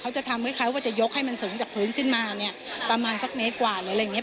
จะทำให้เขาว่าจะยกให้มันสูงจากพื้นขึ้นมาเนี่ยประมาณสักเมตรกว่าหรืออะไรอย่างเงี้